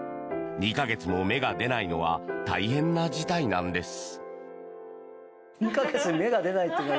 ２か月も芽が出ないのは大変な事態なんです。